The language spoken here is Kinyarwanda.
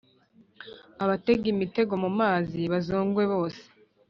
abatega imitego mu mazi bazongwe bose.